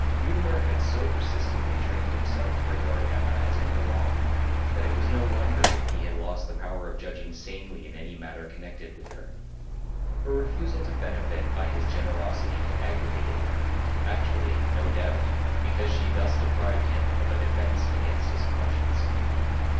Mutimer had so persistently trained himself to regard Emma as in the wrong, that it was no wonder if he had lost the power of judging sanely in any matter connected with her. Her refusal to benefit by his generosity had aggravated him; actually, no doubt, because she thus deprived him of a defence against his conscience.